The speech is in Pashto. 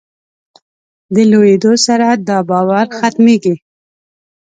د لویېدو سره دا باور ختمېږي.